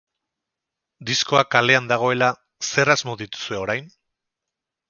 Diskoa kalean dagoela, zer asmo dituzue orain?